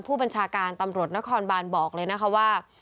ผู้บัญชาการตำรวจนครบานบอกเลยนะคะว่า